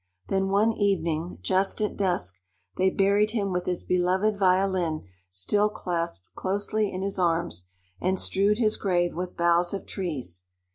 Then one evening, just at dusk, they buried him with his beloved violin still clasped closely in his arms, and strewed his grave with boughs of trees.